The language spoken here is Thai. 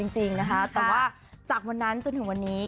จริงนะคะแต่ว่าจากวันนั้นจนถึงวันนี้